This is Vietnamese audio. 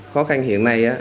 khó khăn hiện nay